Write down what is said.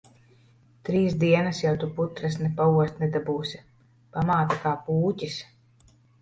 Trīs dienas jau tu putras ne paost nedabūsi. Pamāte kā pūķis.